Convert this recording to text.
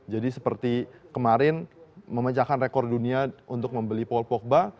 jadi seperti kemarin memecahkan rekor dunia untuk membeli paul pogba